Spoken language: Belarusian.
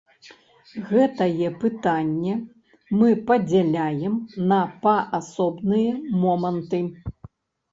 Гэтае пытанне мы падзяляем на паасобныя моманты.